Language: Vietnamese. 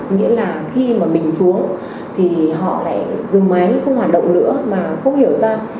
nghĩa là khi mà mình xuống thì họ lại dừng máy không hoạt động nữa mà không hiểu ra